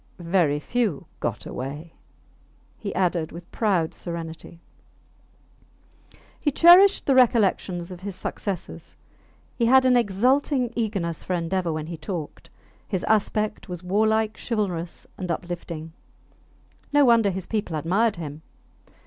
Very few got away, he added, with proud serenity. He cherished the recollections of his successes; he had an exulting eagerness for endeavour; when he talked, his aspect was warlike, chivalrous, and uplifting. No wonder his people admired him.